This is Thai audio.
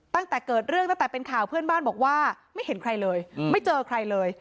ตั้งแต่เกิดเรื่องตั้งแต่เป็นข่าวเพื่อนบ้านบอกว่าไม่เห็นใครเลยไม่เจอใครเลย